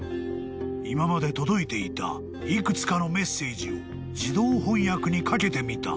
［今まで届いていた幾つかのメッセージを自動翻訳にかけてみた］